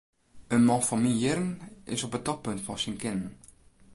In man fan myn jierren is op it toppunt fan syn kinnen.